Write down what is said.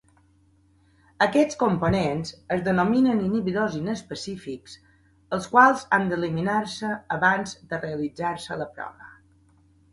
Aquests components es denominen inhibidors inespecífics els quals han d'eliminar-se abans de realitzar-se la prova.